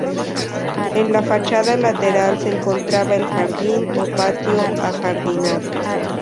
En la fachada lateral se encontraba el jardín o patio ajardinado.